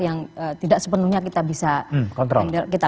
yang tidak sepenuhnya kita bisa